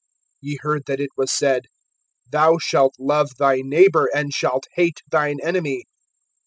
(43)Ye heard that it was said: Thou shalt love thy neighbor, and shalt hate thine enemy.